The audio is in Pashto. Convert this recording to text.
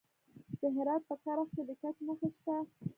د هرات په کرخ کې د ګچ نښې شته.